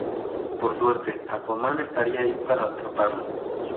Por suerte, Aquaman estaría ahí para atraparlo.